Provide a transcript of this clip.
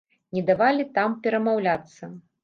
Не давалі там перамаўляцца.